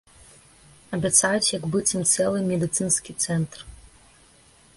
Абяцаюць як быццам цэлы медыцынскі цэнтр.